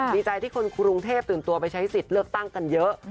ดีใจที่คนกรุงเทพตื่นตัวไปใช้สิทธิ์เลือกตั้งกันเยอะ